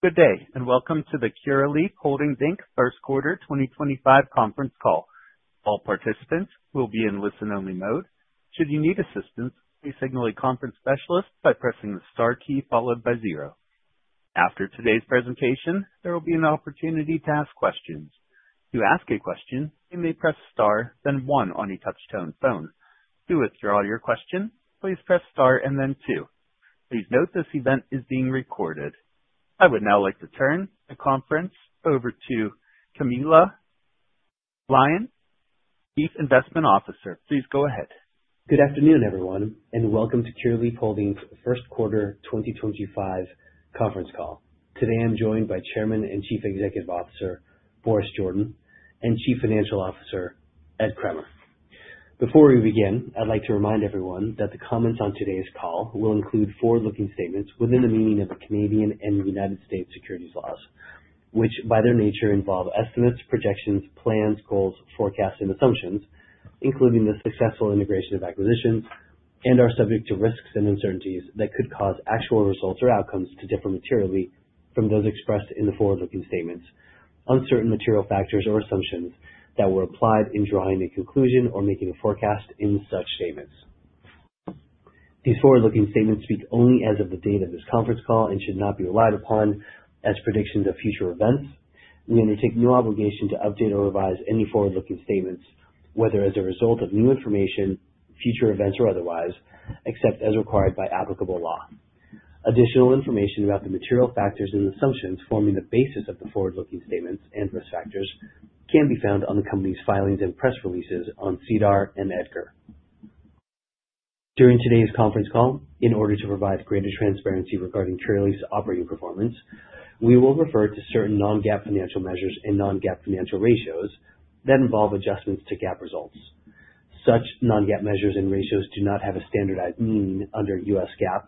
Good day, and welcome to the Curaleaf Holdings First Quarter 2025 Conference Call. All participants will be in listen-only mode. Should you need assistance, please signal a conference specialist by pressing the star key followed by zero. After today's presentation, there will be an opportunity to ask questions. To ask a question, you may press star, then one on a touch-tone phone. To withdraw your question, please press star and then two. Please note this event is being recorded. I would now like to turn the conference over to Camilo Lyon, Chief Investment Officer. Please go ahead. Good afternoon, everyone, and welcome to Curaleaf Holdings' First Quarter 2025 Conference Call. Today, I'm joined by Chairman and Chief Executive Officer Boris Jordan and Chief Financial Officer Ed Kremer. Before we begin, I'd like to remind everyone that the comments on today's call will include forward-looking statements within the meaning of the Canadian and the United States securities laws, which by their nature involve estimates, projections, plans, goals, forecasts, and assumptions, including the successful integration of acquisitions and are subject to risks and uncertainties that could cause actual results or outcomes to differ materially from those expressed in the forward-looking statements, uncertain material factors or assumptions that were applied in drawing a conclusion or making a forecast in such statements. These forward-looking statements speak only as of the date of this conference call and should not be relied upon as predictions of future events. We undertake no obligation to update or revise any forward-looking statements, whether as a result of new information, future events, or otherwise, except as required by applicable law. Additional information about the material factors and assumptions forming the basis of the forward-looking statements and risk factors can be found on the company's filings and press releases on SEDAR and EDGAR. During today's conference call, in order to provide greater transparency regarding Curaleaf's operating performance, we will refer to certain non-GAAP financial measures and non-GAAP financial ratios that involve adjustments to GAAP results. Such non-GAAP measures and ratios do not have a standardized meaning under U.S. GAAP.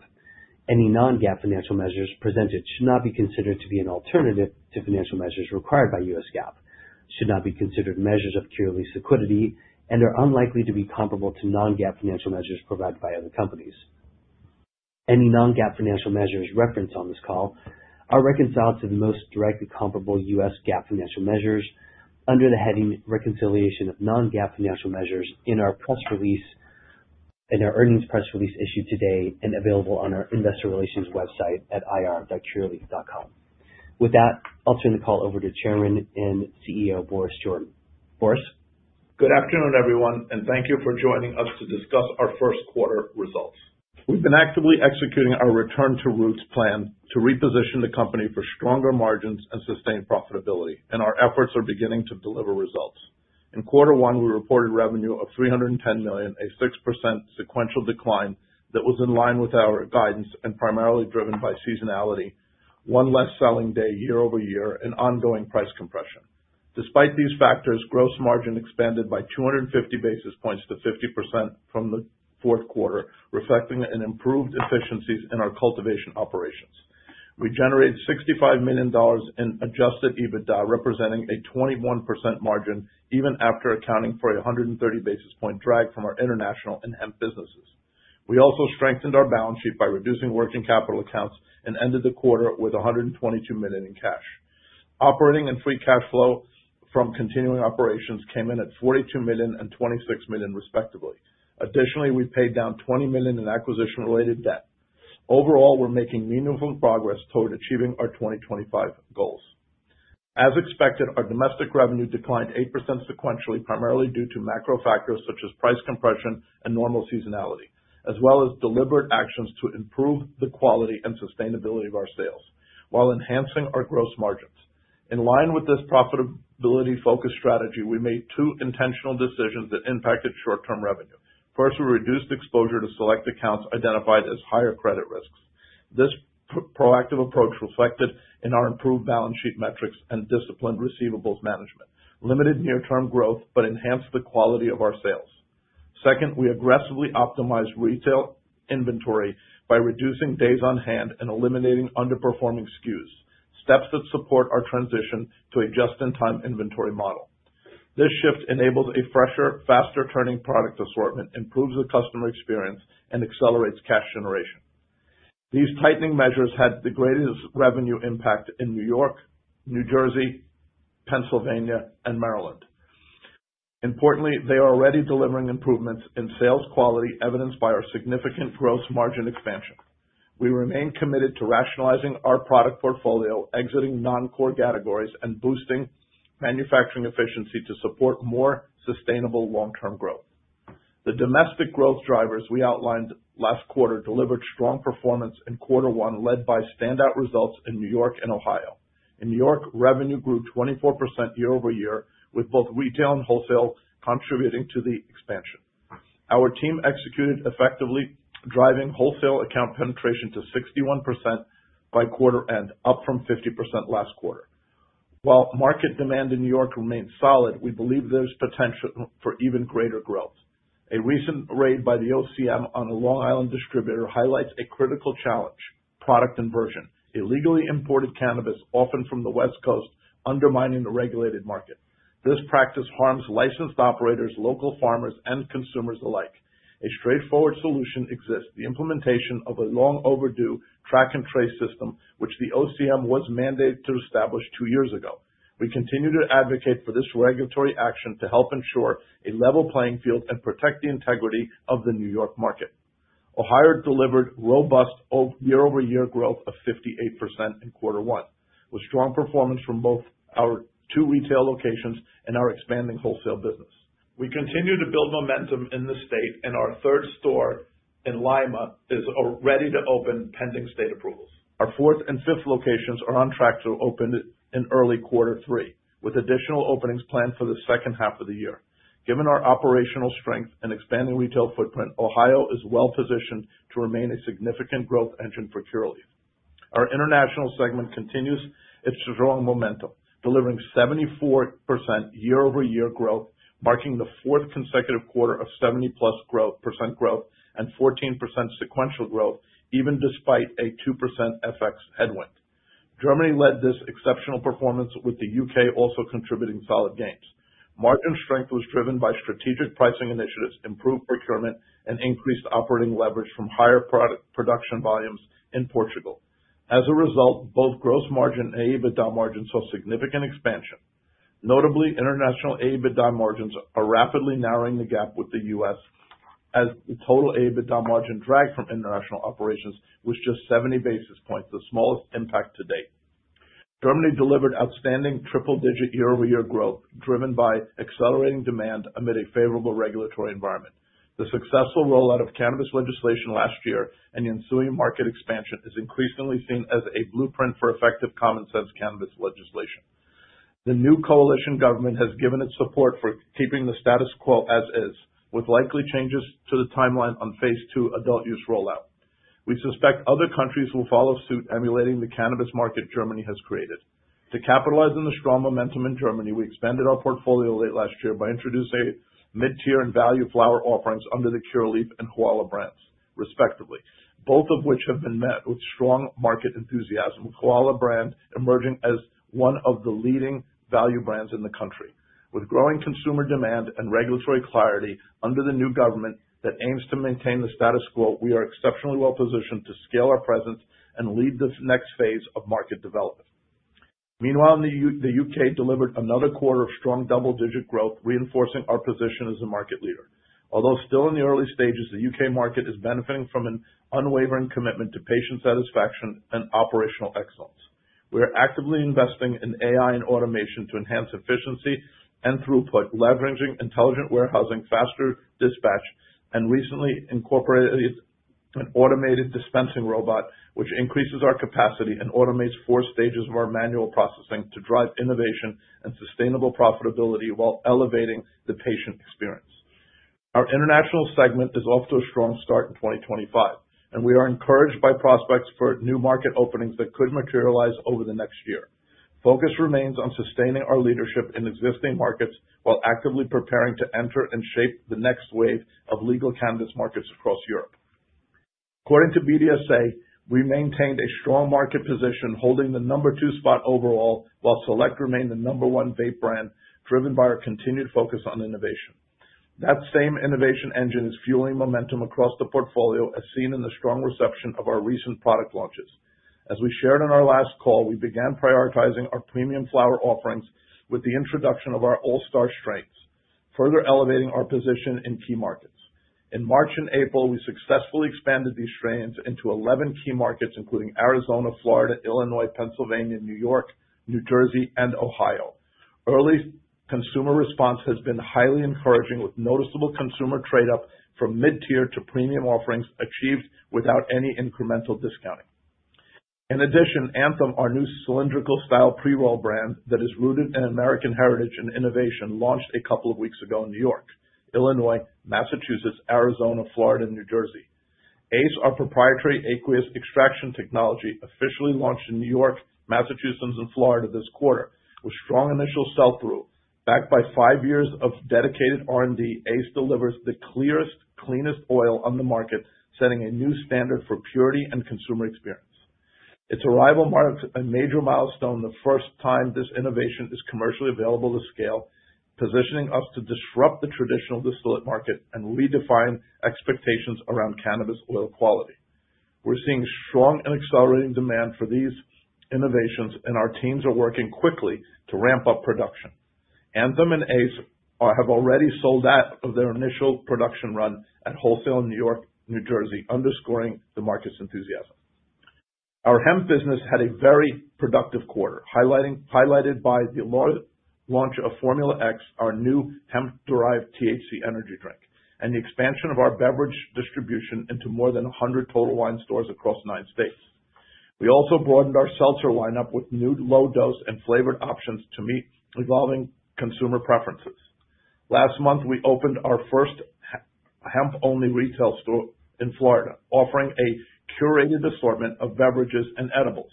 Any non-GAAP financial measures presented should not be considered to be an alternative to financial measures required by U.S. GAAP, should not be considered measures of Curaleaf's liquidity, and are unlikely to be comparable to non-GAAP financial measures provided by other companies. Any non-GAAP financial measures referenced on this call are reconciled to the most directly comparable US. GAAP financial measures under the heading "Reconciliation of non-GAAP financial measures" in our press release, in our earnings press release issued today and available on our investor relations website at ir.curaleaf.com. With that, I'll turn the call over to Chairman and CEO Boris Jordan. Boris? Good afternoon, everyone, and thank you for joining us to discuss our first quarter results. We've been actively executing our return-to-roots plan to reposition the company for stronger margins and sustained profitability, and our efforts are beginning to deliver results. In quarter one, we reported revenue of $310 million, a 6% sequential decline that was in line with our guidance and primarily driven by seasonality, one less selling day year-over-year, and ongoing price compression. Despite these factors, gross margin expanded by 250 basis points to 50% from the fourth quarter, reflecting improved efficiencies in our cultivation operations. We generated $65 million in adjusted EBITDA, representing a 21% margin even after accounting for a 130 basis point drag from our international and hemp businesses. We also strengthened our balance sheet by reducing working capital accounts and ended the quarter with $122 million in cash. Operating and free cash flow from continuing operations came in at $42 million and $26 million, respectively. Additionally, we paid down $20 million in acquisition-related debt. Overall, we're making meaningful progress toward achieving our 2025 goals. As expected, our domestic revenue declined 8% sequentially, primarily due to macro factors such as price compression and normal seasonality, as well as deliberate actions to improve the quality and sustainability of our sales while enhancing our gross margins. In line with this profitability-focused strategy, we made two intentional decisions that impacted short-term revenue. First, we reduced exposure to select accounts identified as higher credit risks. This proactive approach, reflected in our improved balance sheet metrics and disciplined receivables management, limited near-term growth but enhanced the quality of our sales. Second, we aggressively optimized retail inventory by reducing days on hand and eliminating underperforming SKUs, steps that support our transition to a just-in-time inventory model. This shift enables a fresher, faster-turning product assortment, improves the customer experience, and accelerates cash generation. These tightening measures had the greatest revenue impact in New York, New Jersey, Pennsylvania, and Maryland. Importantly, they are already delivering improvements in sales quality, evidenced by our significant gross margin expansion. We remain committed to rationalizing our product portfolio, exiting non-core categories, and boosting manufacturing efficiency to support more sustainable long-term growth. The domestic growth drivers we outlined last quarter delivered strong performance in quarter one, led by standout results in New York and Ohio. In New York, revenue grew 24% year-over-year, with both retail and wholesale contributing to the expansion. Our team executed effectively, driving wholesale account penetration to 61% by quarter-end, up from 50% last quarter. While market demand in New York remains solid, we believe there's potential for even greater growth. A recent raid by the OCM on a Long Island distributor highlights a critical challenge: product inversion. Illegally imported cannabis, often from the West Coast, undermines the regulated market. This practice harms licensed operators, local farmers, and consumers alike. A straightforward solution exists: the implementation of a long-overdue track-and-trace system, which the OCM was mandated to establish two years ago. We continue to advocate for this regulatory action to help ensure a level playing field and protect the integrity of the New York market. Ohio delivered robust year-over-year growth of 58% in quarter one, with strong performance from both our two retail locations and our expanding wholesale business. We continue to build momentum in the state, and our third store in Lima is ready to open, pending state approvals. Our fourth and fifth locations are on track to open in early quarter three, with additional openings planned for the second half of the year. Given our operational strength and expanding retail footprint, Ohio is well-positioned to remain a significant growth engine for Curaleaf. Our international segment continues its strong momentum, delivering 74% year-over-year growth, marking the fourth consecutive quarter of 70-plus % growth and 14% sequential growth, even despite a 2% FX headwind. Germany led this exceptional performance, with the U.K. also contributing solid gains. Margin strength was driven by strategic pricing initiatives, improved procurement, and increased operating leverage from higher production volumes in Portugal. As a result, both gross margin and EBITDA margins saw significant expansion. Notably, international EBITDA margins are rapidly narrowing the gap with the U.S., as the total EBITDA margin drag from international operations was just 70 basis points, the smallest impact to date. Germany delivered outstanding triple-digit year-over-year growth, driven by accelerating demand amid a favorable regulatory environment. The successful rollout of cannabis legislation last year and the ensuing market expansion is increasingly seen as a blueprint for effective common-sense cannabis legislation. The new coalition government has given its support for keeping the status quo as is, with likely changes to the timeline on phase two adult use rollout. We suspect other countries will follow suit, emulating the cannabis market Germany has created. To capitalize on the strong momentum in Germany, we expanded our portfolio late last year by introducing mid-tier and value flower offerings under the Curaleaf and Koala brands, respectively, both of which have been met with strong market enthusiasm, with Koala brand emerging as one of the leading value brands in the country. With growing consumer demand and regulatory clarity under the new government that aims to maintain the status quo, we are exceptionally well-positioned to scale our presence and lead the next phase of market development. Meanwhile, the U.K. delivered another quarter of strong double-digit growth, reinforcing our position as a market leader. Although still in the early stages, the U.K. market is benefiting from an unwavering commitment to patient satisfaction and operational excellence. We are actively investing in AI and automation to enhance efficiency and throughput, leveraging intelligent warehousing, faster dispatch, and recently incorporated an automated dispensing robot, which increases our capacity and automates four stages of our manual processing to drive innovation and sustainable profitability while elevating the patient experience. Our international segment is off to a strong start in 2025, and we are encouraged by prospects for new market openings that could materialize over the next year. Focus remains on sustaining our leadership in existing markets while actively preparing to enter and shape the next wave of legal cannabis markets across Europe. According to BDSA, we maintained a strong market position, holding the number two spot overall, while Select remained the number one vape brand, driven by our continued focus on innovation. That same innovation engine is fueling momentum across the portfolio, as seen in the strong reception of our recent product launches. As we shared in our last call, we began prioritizing our premium flower offerings with the introduction of our All-Star strains, further elevating our position in key markets. In March and April, we successfully expanded these strains into 11 key markets, including Arizona, Florida, Illinois, Pennsylvania, New York, New Jersey, and Ohio. Early consumer response has been highly encouraging, with noticeable consumer trade-off from mid-tier to premium offerings achieved without any incremental discounting. In addition, Anthem, our new cylindrical-style pre-roll brand that is rooted in American heritage and innovation, launched a couple of weeks ago in New York, Illinois, Massachusetts, Arizona, Florida, and New Jersey. ACE, our proprietary aqueous extraction technology, officially launched in New York, Massachusetts, and Florida this quarter. With strong initial sell-through, backed by five years of dedicated R&D, ACE delivers the clearest, cleanest oil on the market, setting a new standard for purity and consumer experience. Its arrival marks a major milestone, the first time this innovation is commercially available to scale, positioning us to disrupt the traditional distillate market and redefine expectations around cannabis oil quality. We're seeing strong and accelerating demand for these innovations, and our teams are working quickly to ramp up production. Anthem and ACE have already sold out of their initial production run at wholesale in New York, New Jersey, underscoring the market's enthusiasm. Our hemp business had a very productive quarter, highlighted by the launch of Formula X, our new hemp-derived THC energy drink, and the expansion of our beverage distribution into more than 100 Total Wine stores across nine states. We also broadened our seltzer lineup with new low-dose and flavored options to meet evolving consumer preferences. Last month, we opened our first hemp-only retail store in Florida, offering a curated assortment of beverages and edibles.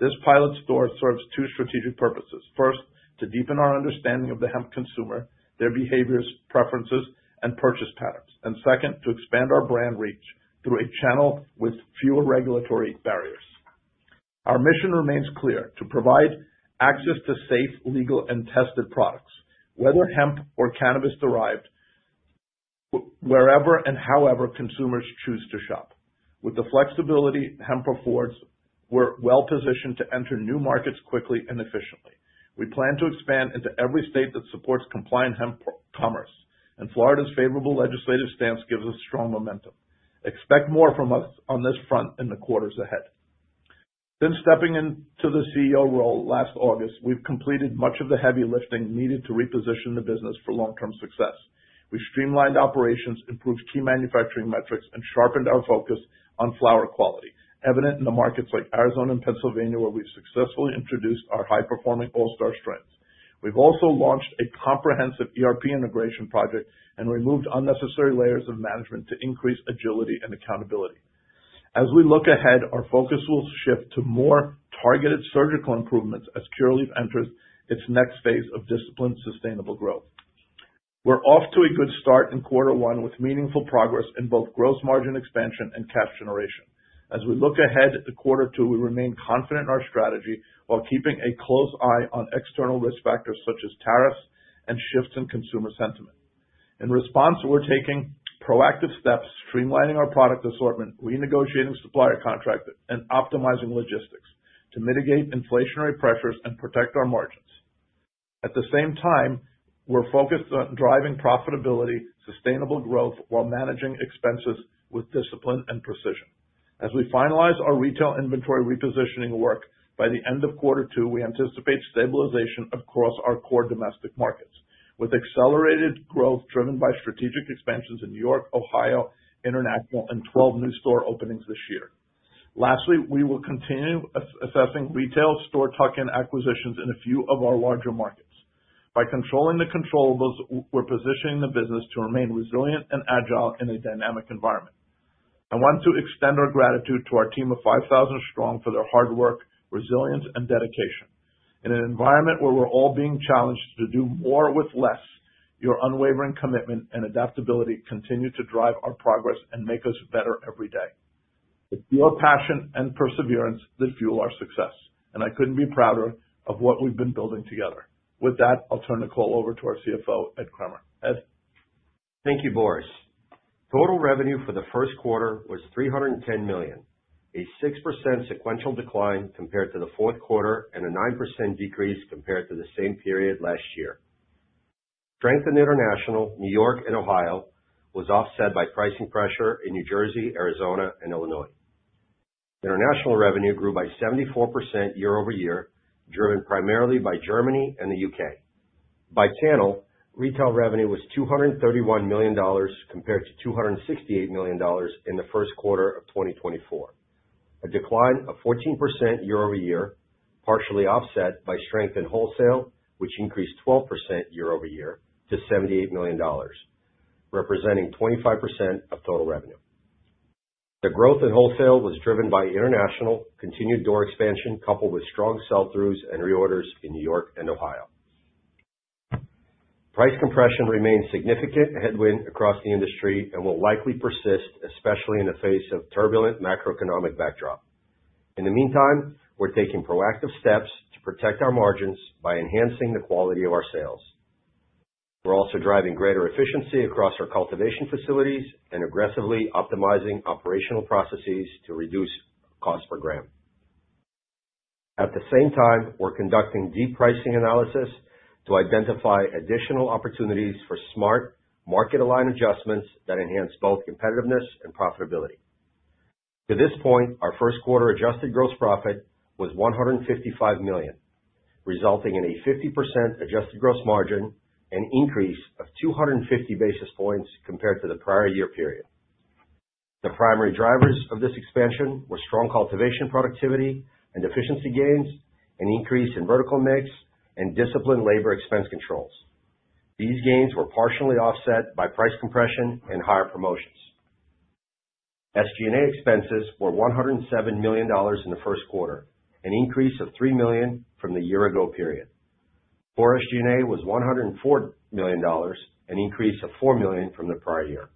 This pilot store serves two strategic purposes: first, to deepen our understanding of the hemp consumer, their behaviors, preferences, and purchase patterns; and second, to expand our brand reach through a channel with fewer regulatory barriers. Our mission remains clear: to provide access to safe, legal, and tested products, whether hemp or cannabis-derived, wherever and however consumers choose to shop. With the flexibility hemp affords, we're well-positioned to enter new markets quickly and efficiently. We plan to expand into every state that supports compliant hemp commerce, and Florida's favorable legislative stance gives us strong momentum. Expect more from us on this front in the quarters ahead. Since stepping into the CEO role last August, we've completed much of the heavy lifting needed to reposition the business for long-term success. We've streamlined operations, improved key manufacturing metrics, and sharpened our focus on flower quality, evident in the markets like Arizona and Pennsylvania, where we've successfully introduced our high-performing All-Star strains. We've also launched a comprehensive ERP integration project and removed unnecessary layers of management to increase agility and accountability. As we look ahead, our focus will shift to more targeted surgical improvements as Curaleaf enters its next phase of disciplined sustainable growth. We're off to a good start in quarter one, with meaningful progress in both gross margin expansion and cash generation. As we look ahead to quarter two, we remain confident in our strategy while keeping a close eye on external risk factors such as tariffs and shifts in consumer sentiment. In response, we're taking proactive steps, streamlining our product assortment, renegotiating supplier contracts, and optimizing logistics to mitigate inflationary pressures and protect our margins. At the same time, we're focused on driving profitability, sustainable growth, while managing expenses with discipline and precision. As we finalize our retail inventory repositioning work by the end of quarter two, we anticipate stabilization across our core domestic markets, with accelerated growth driven by strategic expansions in New York, Ohio, International, and 12 new store openings this year. Lastly, we will continue assessing retail store tuck-in acquisitions in a few of our larger markets. By controlling the controllable, we're positioning the business to remain resilient and agile in a dynamic environment. I want to extend our gratitude to our team of 5,000 strong for their hard work, resilience, and dedication. In an environment where we're all being challenged to do more with less, your unwavering commitment and adaptability continue to drive our progress and make us better every day. It's your passion and perseverance that fuel our success, and I couldn't be prouder of what we've been building together. With that, I'll turn the call over to our CFO, Ed Kremer. Ed. Thank you, Boris. Total revenue for the first quarter was $310 million, a 6% sequential decline compared to the fourth quarter and a 9% decrease compared to the same period last year. Strength in International, New York and Ohio, was offset by pricing pressure in New Jersey, Arizona, and Illinois. International revenue grew by 74% year-over-year, driven primarily by Germany and the U.K. By channel, retail revenue was $231 million compared to $268 million in the first quarter of 2024, a decline of 14% year-over-year, partially offset by strength in wholesale, which increased 12% year-over-year to $78 million, representing 25% of total revenue. The growth in wholesale was driven by international continued door expansion, coupled with strong sell-throughs and reorders in New York and Ohio. Price compression remains a significant headwind across the industry and will likely persist, especially in the face of turbulent macroeconomic backdrop. In the meantime, we're taking proactive steps to protect our margins by enhancing the quality of our sales. We're also driving greater efficiency across our cultivation facilities and aggressively optimizing operational processes to reduce cost per gram. At the same time, we're conducting deep pricing analysis to identify additional opportunities for smart market-aligned adjustments that enhance both competitiveness and profitability. To this point, our first quarter adjusted gross profit was $155 million, resulting in a 50% adjusted gross margin, an increase of 250 basis points compared to the prior year period. The primary drivers of this expansion were strong cultivation productivity and efficiency gains, an increase in vertical mix, and disciplined labor expense controls. These gains were partially offset by price compression and higher promotions. SG&A expenses were $107 million in the first quarter, an increase of $3 million from the year-ago period. Core SG&A was $104 million, an increase of $4 million from the prior year.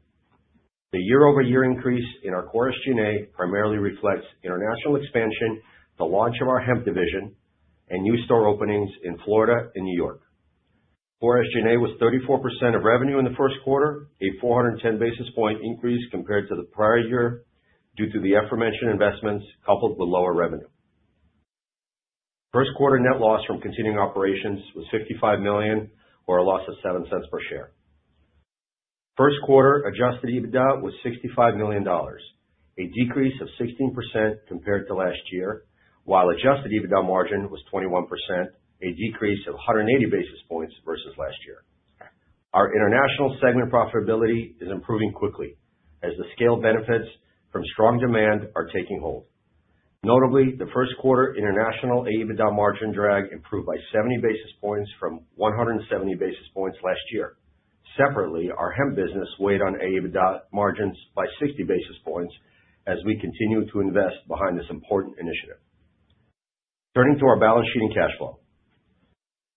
The year-over-year increase in our Core SG&A primarily reflects international expansion, the launch of our hemp division, and new store openings in Florida and New York. Core SG&A was 34% of revenue in the first quarter, a 410 basis point increase compared to the prior year due to the aforementioned investments, coupled with lower revenue. First quarter net loss from continuing operations was $55 million, or a loss of $0.07 per share. First quarter adjusted EBITDA was $65 million, a decrease of 16% compared to last year, while adjusted EBITDA margin was 21%, a decrease of 180 basis points versus last year. Our international segment profitability is improving quickly, as the scale benefits from strong demand are taking hold. Notably, the first quarter international EBITDA margin drag improved by 70 basis points from 170 basis points last year. Separately, our hemp business weighed on EBITDA margins by 60 basis points as we continue to invest behind this important initiative. Turning to our balance sheet and cash flow,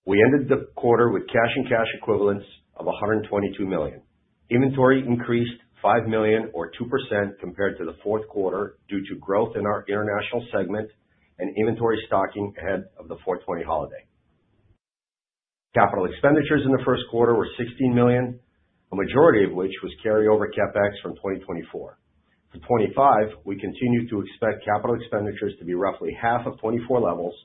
we ended the quarter with cash and cash equivalents of $122 million. Inventory increased $5 million, or 2%, compared to the fourth quarter due to growth in our international segment and inventory stocking ahead of the 4/20 holiday. Capital expenditures in the first quarter were $16 million, a majority of which was carryover CapEx from 2024. For 2025, we continue to expect capital expenditures to be roughly half of 2024 levels,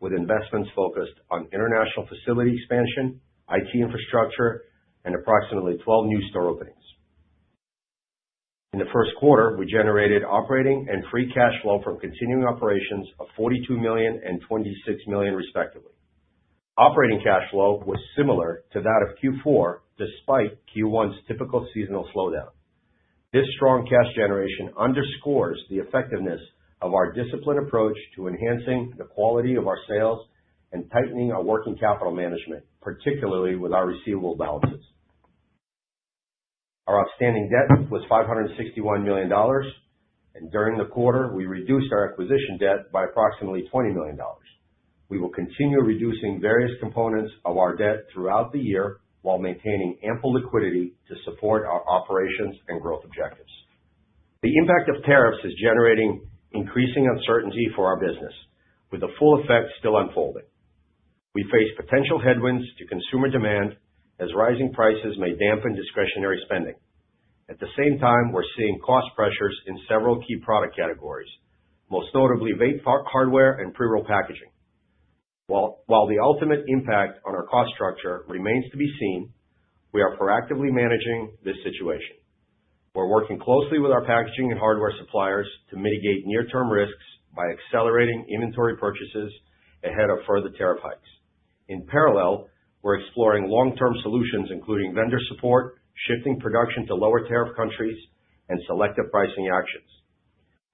with investments focused on international facility expansion, IT infrastructure, and approximately 12 new store openings. In the first quarter, we generated operating and free cash flow from continuing operations of $42 million and $26 million, respectively. Operating cash flow was similar to that of Q4, despite Q1's typical seasonal slowdown. This strong cash generation underscores the effectiveness of our disciplined approach to enhancing the quality of our sales and tightening our working capital management, particularly with our receivable balances. Our outstanding debt was $561 million, and during the quarter, we reduced our acquisition debt by approximately $20 million. We will continue reducing various components of our debt throughout the year while maintaining ample liquidity to support our operations and growth objectives. The impact of tariffs is generating increasing uncertainty for our business, with the full effect still unfolding. We face potential headwinds to consumer demand as rising prices may dampen discretionary spending. At the same time, we're seeing cost pressures in several key product categories, most notably vape hardware and pre-roll packaging. While the ultimate impact on our cost structure remains to be seen, we are proactively managing this situation. We're working closely with our packaging and hardware suppliers to mitigate near-term risks by accelerating inventory purchases ahead of further tariff hikes. In parallel, we're exploring long-term solutions, including vendor support, shifting production to lower tariff countries, and selective pricing actions.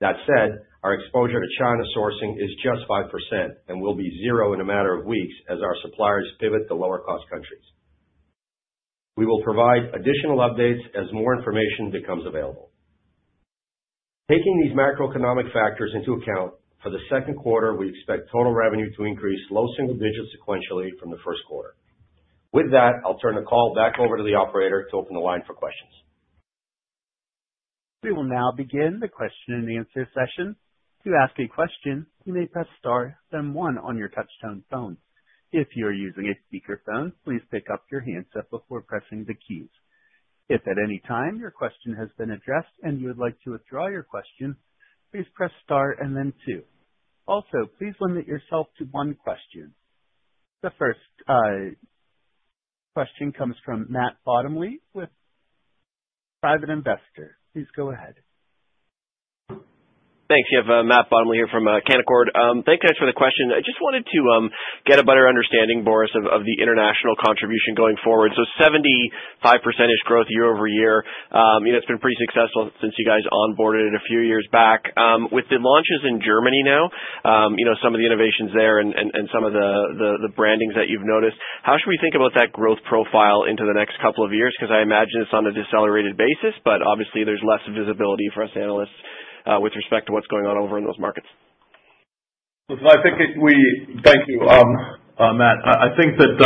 That said, our exposure to China sourcing is just 5% and will be zero in a matter of weeks as our suppliers pivot to lower-cost countries. We will provide additional updates as more information becomes available. Taking these macroeconomic factors into account, for the second quarter, we expect total revenue to increase low single digits sequentially from the first quarter. With that, I'll turn the call back over to the operator to open the line for questions. We will now begin the question-and-answer session. To ask a question, you may press * then *1 on your touch-tone phone. If you are using a speakerphone, please pick up your handset before pressing the keys. If at any time your question has been addressed and you would like to withdraw your question, please press star and then two. Also, please limit yourself to one question. The first question comes from Matt Bottomley with Private Investor. Please go ahead. Thanks. You have Matt Bottomley here from Canaccord. Thanks for the question. I just wanted to get a better understanding, Boris, of the international contribution going forward. So, 75%-ish growth year-over-year. It's been pretty successful since you guys onboarded it a few years back. With the launches in Germany now, some of the innovations there and some of the brandings that you've noticed, how should we think about that growth profile into the next couple of years? Because I imagine it's on a decelerated basis, but obviously, there's less visibility for us analysts with respect to what's going on over in those markets. I think we—thank you, Matt. I think that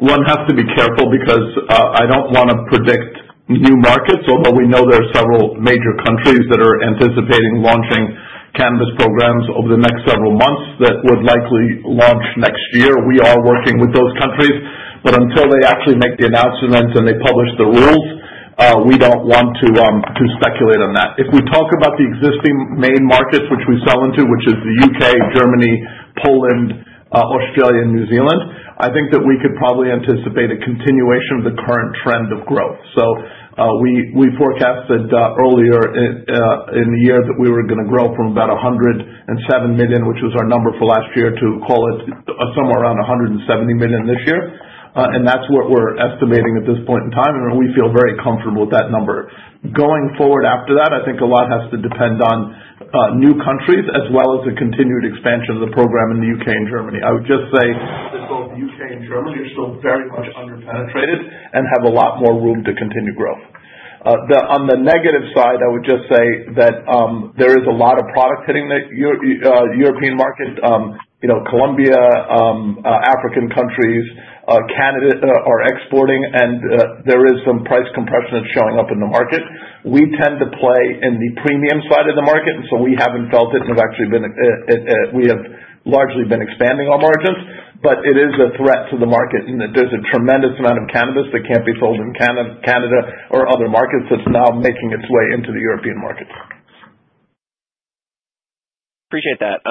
one has to be careful because I don't want to predict new markets, although we know there are several major countries that are anticipating launching cannabis programs over the next several months that would likely launch next year. We are working with those countries, but until they actually make the announcement and they publish the rules, we don't want to speculate on that. If we talk about the existing main markets which we sell into, which is the U.K., Germany, Poland, Australia, and New Zealand, I think that we could probably anticipate a continuation of the current trend of growth. We forecasted earlier in the year that we were going to grow from about $107 million, which was our number for last year, to call it somewhere around $170 million this year. That's what we're estimating at this point in time, and we feel very comfortable with that number. Going forward after that, I think a lot has to depend on new countries as well as the continued expansion of the program in the U.K. and Germany. I would just say that both the U.K. and Germany are still very much under-penetrated and have a lot more room to continue growth. On the negative side, I would just say that there is a lot of product hitting the European market. Colombia, African countries, Canada are exporting, and there is some price compression that's showing up in the market. We tend to play in the premium side of the market, and so we haven't felt it and have actually been, we have largely been expanding our margins. It is a threat to the market in that there's a tremendous amount of cannabis that can't be sold in Canada or other markets that's now making its way into the European markets. Appreciate that.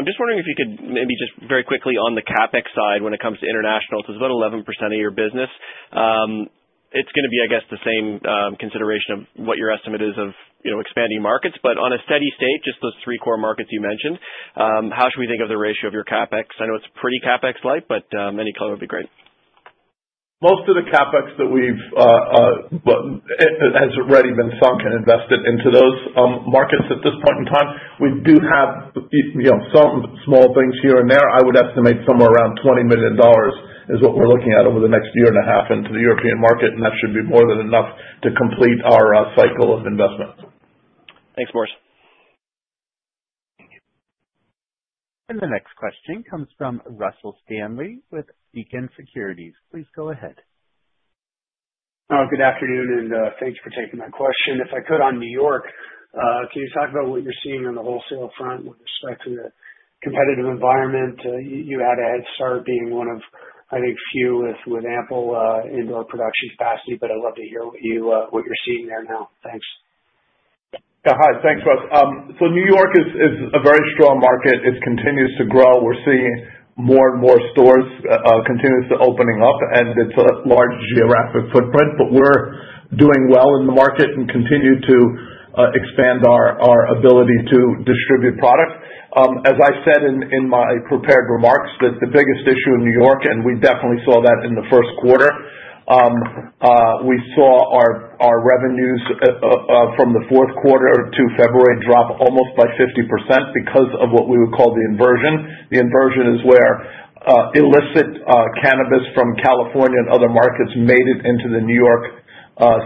I'm just wondering if you could maybe just very quickly on the CapEx side when it comes to international. It's about 11% of your business. It's going to be, I guess, the same consideration of what your estimate is of expanding markets. On a steady state, just those three core markets you mentioned, how should we think of the ratio of your CapEx? I know it's pretty CapEx-like, but any color would be great. Most of the CapEx that we've has already been sunk and invested into those markets at this point in time. We do have some small things here and there. I would estimate somewhere around $20 million is what we're looking at over the next year and a half into the European market, and that should be more than enough to complete our cycle of investment. Thanks, Boris. Thank you. The next question comes from Russell Stanley with Beacon Securities. Please go ahead. Good afternoon, and thanks for taking my question. If I could, on New York, can you talk about what you're seeing on the wholesale front with respect to the competitive environment? You had a head start being one of, I think, few with ample indoor production capacity, but I'd love to hear what you're seeing there now. Thanks. Hi. Thanks, Boris. New York is a very strong market. It continues to grow. We're seeing more and more stores continuously opening up, and it's a large geographic footprint, but we're doing well in the market and continue to expand our ability to distribute product. As I said in my prepared remarks, the biggest issue in New York, and we definitely saw that in the first quarter, we saw our revenues from the fourth quarter to February drop almost by 50% because of what we would call the inversion. The inversion is where illicit cannabis from California and other markets made it into the New York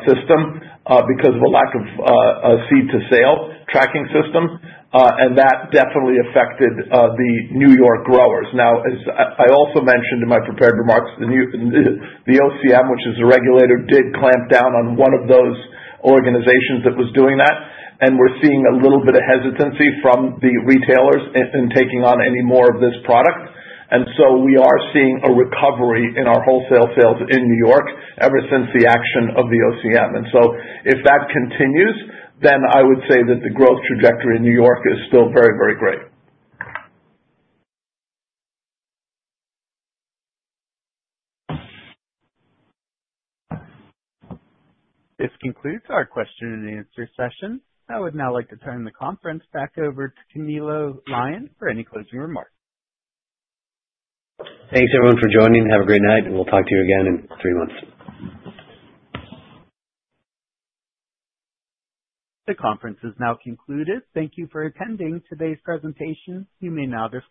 system because of a lack of seed-to-sale tracking system, and that definitely affected the New York growers. Now, as I also mentioned in my prepared remarks, the OCM, which is the regulator, did clamp down on one of those organizations that was doing that, and we're seeing a little bit of hesitancy from the retailers in taking on any more of this product. We are seeing a recovery in our wholesale sales in New York ever since the action of the OCM. If that continues, then I would say that the growth trajectory in New York is still very, very great. This concludes our question-and-answer session. I would now like to turn the conference back over to Camilo Lyon for any closing remarks. Thanks, everyone, for joining. Have a great night, and we'll talk to you again in three months. The conference is now concluded. Thank you for attending today's presentation. You may now disconnect.